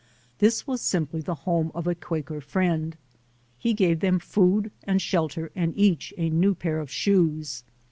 This was simply the home of a Quaker friend. He gave them food and shelter and each a new pair of shoes.